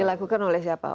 dilakukan oleh siapa